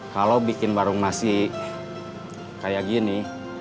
kalau bikin warung nasi kayak gini